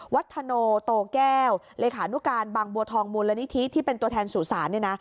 วัฒโนโตแก้วเลขานุการบางบัวทองมูลนิธิที่เป็นตัวแทนสู่ศาลเนี่ยนะ